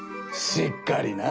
しっかりな。